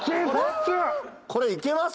これいけます？